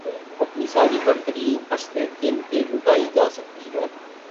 اپنی ساری برتری ہنستے کھیلتے لُٹائی جا سکتی ہے